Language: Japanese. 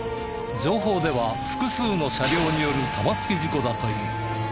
情報では複数の車両による玉突き事故だという。